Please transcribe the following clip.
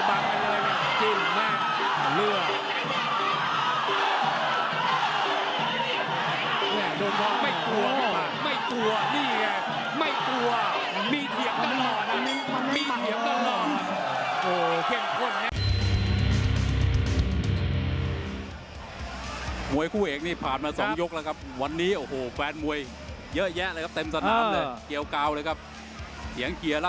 แค่มานี่มาเท่าไหร่ก็จะรับเท่านั้นเลยนะ